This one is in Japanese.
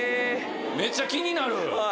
めちゃ気になる。